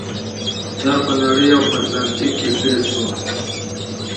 دا په نړۍ او په اتلانتیک کې پیل شو.